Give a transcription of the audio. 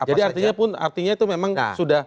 jadi artinya itu memang sudah